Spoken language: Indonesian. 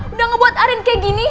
udah ngebuat arin kayak gini